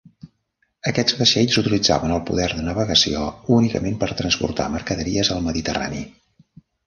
Aquests vaixells utilitzaven el poder de navegació únicament per transportar mercaderies al Mediterrani.